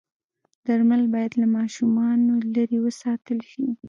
درمل باید له ماشومانو لرې وساتل شي.